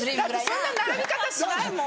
そんな並び方しないもん。